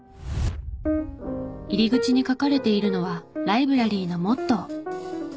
入り口に書かれているのはライブラリーのモットー。